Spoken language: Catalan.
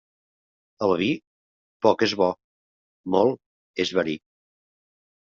El vi, poc és bo, molt és verí.